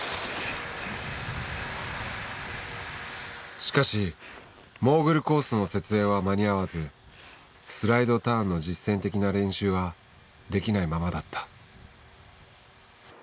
しかしモーグルコースの設営は間に合わずスライドターンの実践的な練習はできないままだった。